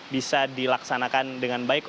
bisa dilaksanakan dengan baik